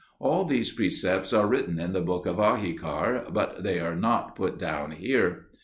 All these precepts are written in the book of Ahikar, but they are not put down here.